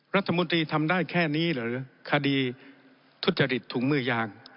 รัฐมนตรีทำได้แค่นี้หรือคดีทุจริตถุงมือยาง